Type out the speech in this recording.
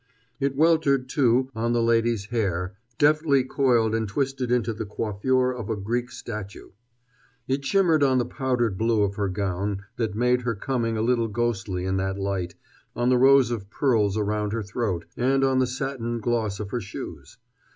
It weltered, too, on the lady's hair, deftly coiled and twisted into the coiffure of a Greek statue. It shimmered on the powdered blue of her gown that made her coming a little ghostly in that light, on the rows of pearls around her throat, and on the satin gloss of her shoes.